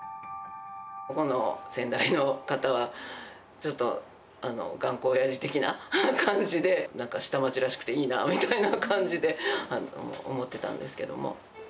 ここの先代の方は、ちょっと頑固おやじ的な感じで、なんか下町らしくていいなみたいな感じで思ってたんですけども。